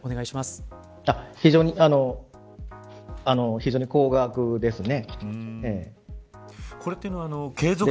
非常に高額ですね。